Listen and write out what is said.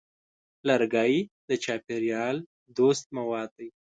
لرګی د چاپېریال دوست مواد دی.